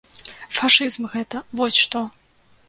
Фашызм гэта, вось што!